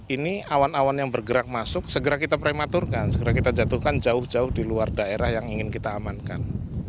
ini awan awan yang bergerak masuk segera kita prematurkan segera kita jatuhkan jauh jauh di luar daerah yang ingin kita amankan